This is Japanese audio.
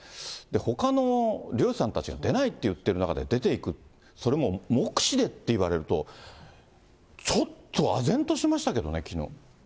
ほかの漁師さんたちが出ないっていってる中で、出ていく、それも目視でって言われると、ちょっとあぜんとしましたけどね、きのう。